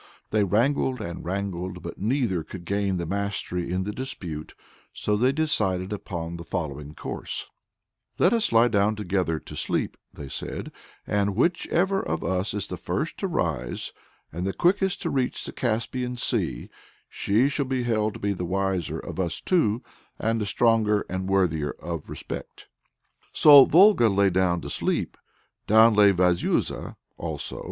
They wrangled and wrangled, but neither could gain the mastery in the dispute, so they decided upon the following course: "Let us lie down together to sleep," they said, "and whichever of us is the first to rise, and the quickest to reach the Caspian Sea, she shall be held to be the wiser of us two, and the stronger and the worthier of respect." So Volga lay down to sleep; down lay Vazuza also.